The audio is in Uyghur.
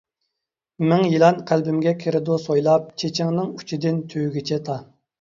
مىڭ يىلان قەلبىمگە كىرىدۇ سويلاپ، چېچىڭنىڭ ئۇچىدىن تۈۋىگىچە تا.